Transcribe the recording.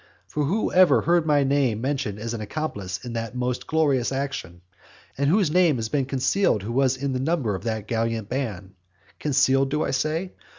For who ever heard my name mentioned as an accomplice in that most glorious action? and whose name has been concealed who was in the number of that gallant band? Concealed, do I say?